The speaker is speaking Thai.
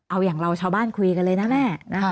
เอาอย่างเราชาวบ้านคุยกันเลยนะแม่นะคะ